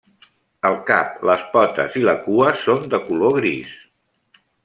El cap, les potes i la cua són de color gris.